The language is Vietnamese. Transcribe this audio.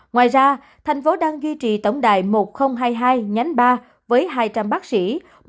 ngoài ra tp hcm đang duy trì tổng đài một nghìn hai mươi hai ba với hai trăm linh bác sĩ